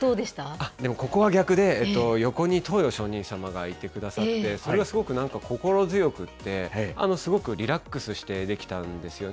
あっ、でも、ここは逆で、横に登譽上人様がいてくださって、それはすごくなんか、心強くって、すごくリラックスしてできたんですよね。